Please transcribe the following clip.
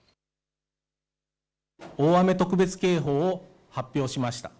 大雨特別警報を発表しました。